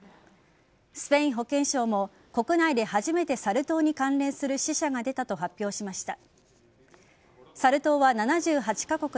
スペイン保健省も、国内で初めてサル痘に関連する死者が出たと発表しました。